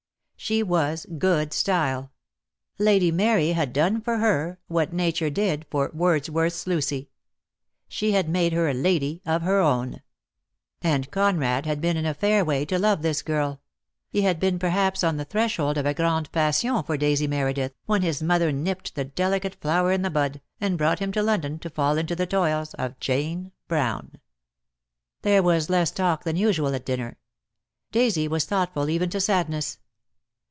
She was good style. Lady Mary had done for her what Nature did for Wordsworth's Lucy. She had made her a lady of her own. And Conrad had been in a fair way to love this girl; he had been perhaps on the threshold of a grande passion for Daisy Meredith, when his mother nipped the delicate flower in the bud, and brought him to London, to fall into the toils of Jane Brown. DEAD LOVE HAS CHAINS. l6l There was less talk than usual at dinner. Daisy was thoughtful even to sadness.